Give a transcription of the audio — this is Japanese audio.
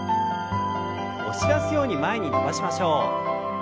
押し出すように前に伸ばしましょう。